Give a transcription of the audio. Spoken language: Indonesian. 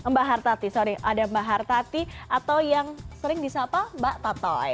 mbak hartati sorry ada mbak hartati atau yang sering di siapa mbak tatoy